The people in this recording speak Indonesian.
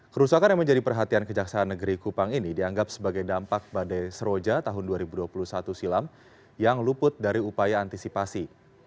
kerusakan yang menjadi perhatian kejaksaan negeri kupang ini dianggap sebagai dampak badai seroja tahun dua ribu dua puluh satu silam yang luput dari upaya antisipasi